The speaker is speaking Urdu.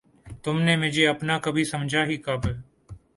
تم نے مجھے اپنا سمجھا ہی کب ہے!